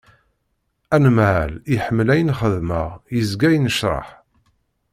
Anemhal iḥemmel ayen xeddmeɣ yezga yennecraḥ.